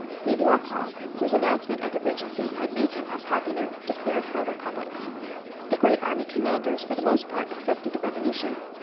Miliukov, whose announcement of the Regency had made him unpopular, declared for a Republic. The great army commanders for the most part accepted the revolution.